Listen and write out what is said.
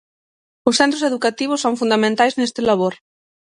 Os centros educativos son fundamentais neste labor.